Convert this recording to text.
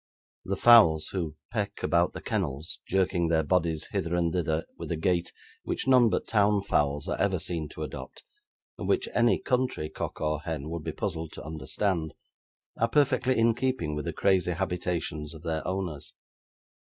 The fowls who peck about the kennels, jerking their bodies hither and thither with a gait which none but town fowls are ever seen to adopt, and which any country cock or hen would be puzzled to understand, are perfectly in keeping with the crazy habitations of their owners.